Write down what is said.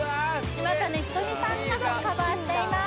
島谷ひとみさんなどカバーしています